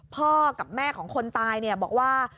พ่อกับแม่ของคนตายบอกว่า